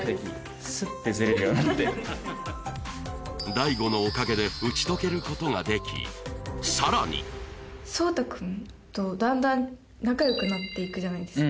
醍醐のおかげで打ち解けることができさらに奏汰くんとだんだん仲よくなっていくじゃないですか